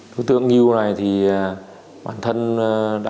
thứ tượng ngưu này thì bản thân đã có tiền án năm một nghìn chín trăm chín mươi năm